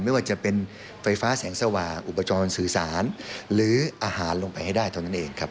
ไม่ว่าจะเป็นไฟฟ้าแสงสว่างอุปกรณ์สื่อสารหรืออาหารลงไปให้ได้เท่านั้นเองครับ